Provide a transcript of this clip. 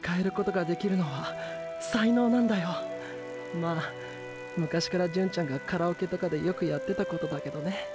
まぁ昔から純ちゃんがカラオケとかでよくやってたことだけどね。